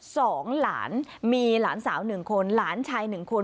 สองหลานมีหลานสาวหนึ่งคนหลานชายหนึ่งคน